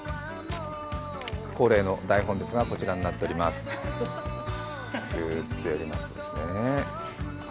恒例の台本ですが、こちらになっています。